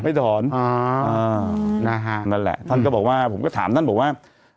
นะฮะนั่นแหละท่านก็บอกว่าผมก็ถามท่านบอกว่า